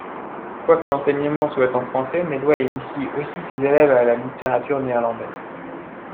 Quoique l’enseignement soit en français, Melloy initie aussi ses éleves à la littérature néerlandaise.